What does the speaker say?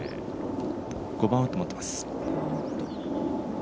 ５番ウッド持ってます。